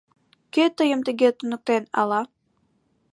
— Кӧ тыйым тыге туныктен, ала.